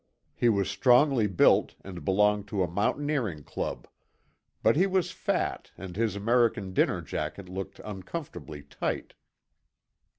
He was strongly built and belonged to a mountaineering club, but he was fat and his American dinner jacket looked uncomfortably tight.